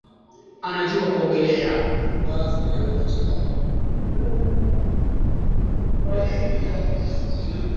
Anajua kuogelea